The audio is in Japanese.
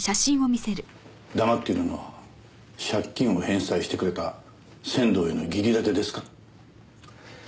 黙っているのは借金を返済してくれた仙堂への義理立てですか？